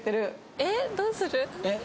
えっどうする？